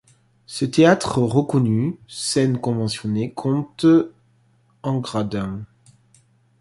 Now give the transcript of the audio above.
Ce théâtre, reconnu scène conventionnée, compte en gradins.